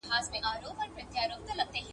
ما ستا لپاره په خزان کې هم کرل گلونه